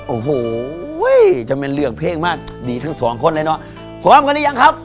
โอ้โหจะไม่เลือกเพลงมาดีทั้งสองคนเลยเนอะพร้อมกันหรือยังครับ